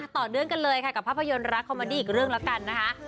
ต่อเนื่องกันเลยค่ะกับภาพยนตร์รักคอมมาดี้อีกเรื่องแล้วกันนะคะ